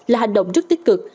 là hành động rất tích cực